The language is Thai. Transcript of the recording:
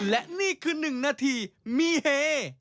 และนี่คือ๑นาทีมีเฮ